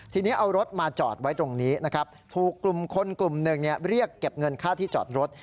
ทีนี้เอารถมาจอดไว้ตรงนี้นะครับถูกกลุ่มคนกลุ่มหนึ่งเรียกเก็บเงินค่าที่จอดรถ